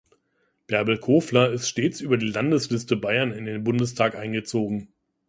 Bärbel Kofler ist stets über die Landesliste Bayern in den Bundestag eingezogen.